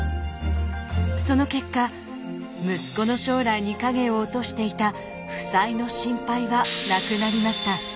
その結果息子の将来に影を落としていた負債の心配はなくなりました。